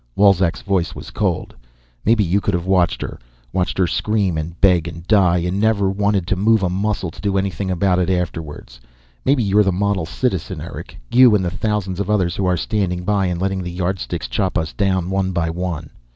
Wolzek's voice was cold. "Maybe you could have watched her, watched her scream and beg and die, and never wanted to move a muscle to do anything about it afterwards. Maybe you're the model citizen, Eric; you and the thousands of others who are standing by and letting the Yardsticks chop us down, one by one.